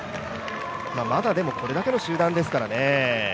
まだ、これだけの集団ですからね。